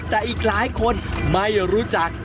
แต่อีกหลายคนไม่รู้จัก